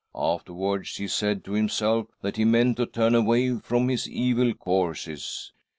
Afterwards he said to himself that he meant to turn away from his evil courses.